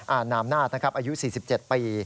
อ่านนามนาฏนะครับอายุ๔๗ปี